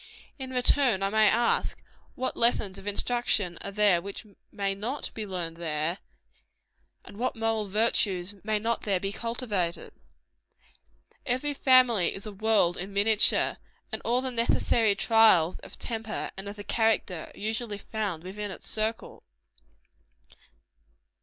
In return, I may ask, what lessons of instruction are there which may not, be learned there, and what moral virtues may not there be cultivated? Each family is a world in miniature; and all the necessary trials of the temper and of the character, are usually found within its circle.